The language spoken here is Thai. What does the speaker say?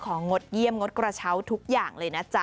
งดเยี่ยมงดกระเช้าทุกอย่างเลยนะจ๊ะ